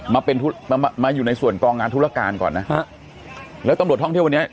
มาเป็นธุมามาอยู่ในส่วนกองงานธุรการก่อนนะฮะแล้วตำรวจท่องเที่ยววันนี้